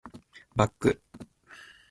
バック